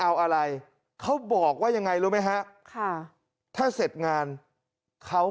เอาอะไรเขาบอกว่ายังไงรู้ไหมฮะค่ะถ้าเสร็จงานเขา